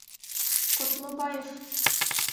Ҡотлобаев.